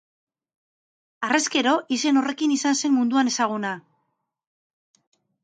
Harrezkero, izen horrekin izan zen munduan ezaguna.